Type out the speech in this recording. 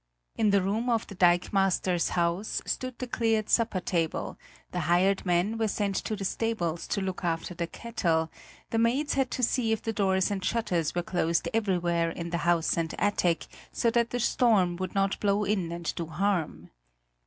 In the room of the dikemaster's house stood the cleared supper table, the hired men were sent to the stables to look after the cattle; the maids had to see if the doors and shutters were closed everywhere in the house and attic, so that the storm would not blow in and do harm.